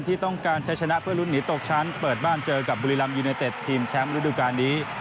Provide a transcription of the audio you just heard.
ที่ต้องการใช้ชนะเพื่อลุ้นหนีตกชั้นเปิดบ้านเจอกับบุรีรัมยูเนเต็ดทีมแชมป์ฤดูการนี้